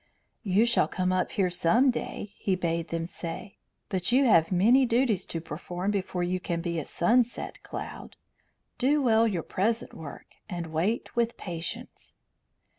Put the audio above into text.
"You shall come up here some day," he bade them say; "but you have many duties to perform before you can be a sunset cloud. Do well your present work, and wait with patience."